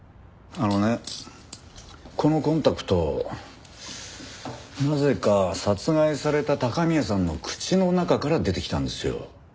あのねこのコンタクトなぜか殺害された高宮さんの口の中から出てきたんですよ。